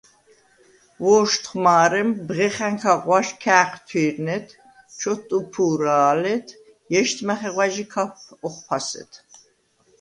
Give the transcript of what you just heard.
ვო̄შთხვ მა̄რე̄მ ბღეხა̈ნქა ღვაშ ქა̄̈ხვთუ̈რნედ, ჩოთტუფუ̄რა̄ლედ, ჲეშდ მახეღვა̈ჟი ქაფ ოხფასედ;